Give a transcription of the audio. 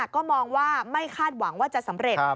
ก็มองว่าไม่คาดหวังว่าจะสำเร็จ